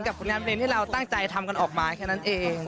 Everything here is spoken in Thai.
ผลงานเพลงที่เราตั้งใจทำกันออกมาแค่นั้นเอง